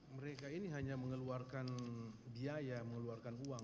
mereka ini hanya mengeluarkan biaya mengeluarkan uang